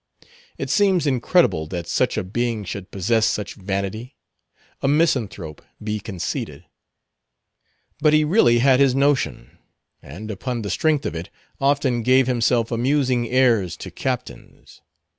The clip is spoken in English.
It seems incredible that such a being should possess such vanity; a misanthrope be conceited; but he really had his notion; and upon the strength of it, often gave himself amusing airs to captains.